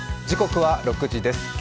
時刻は６時です。